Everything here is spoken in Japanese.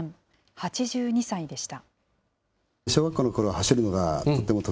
８２歳でした。